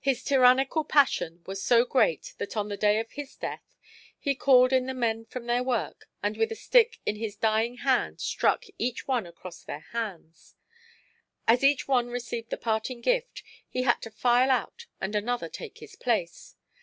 His tyranical passion was so great that on the day of his death he called in the men from their work, and with a stick in his dying hand struck each one across their hands. As each one received the parting gift he had to file out and another take his place.